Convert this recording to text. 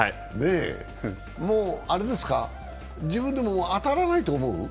もう、自分でも当たらないと思う？